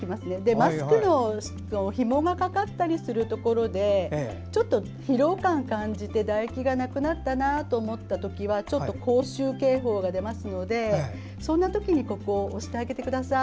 マスクのひもがかかったりするところでちょっと疲労感を感じて唾液がなくなったなと思ったらちょっと口臭警報が出ますのでそんなときにここを押してあげてください。